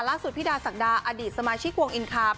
ล่าสุดพี่ดาศักดาอดีตสมาชิกวงอินคา